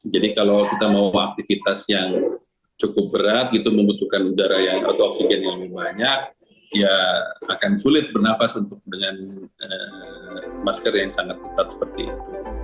jadi kalau kita mau aktivitas yang cukup berat itu membutuhkan udara atau oksigen yang banyak ya akan sulit bernafas dengan masker yang sangat ketat seperti itu